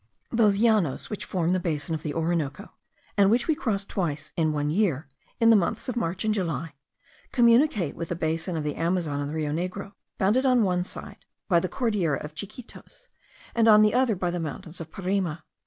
Those Llanos which form the basin of the Orinoco, and which we crossed twice in one year, in the months of March and July, communicate with the basin of the Amazon and the Rio Negro, bounded on one side by the Cordillera of Chiquitos, and on the other by the mountains of Parime.